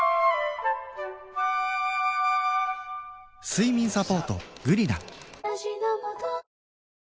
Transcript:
睡眠サポート「グリナ」